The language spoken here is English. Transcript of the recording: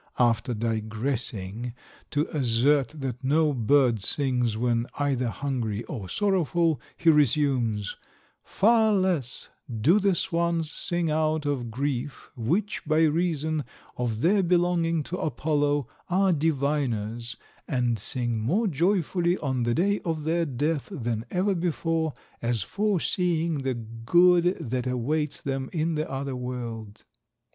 After digressing to assert that no bird sings when either hungry or sorrowful, he resumes, 'Far less do the swans sing out of grief, which, by reason of their belonging to Apollo, are diviners, and sing more joyfully on the day of their death than ever before, as foreseeing the good that awaits them in the other world.